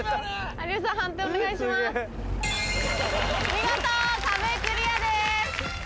見事壁クリアです。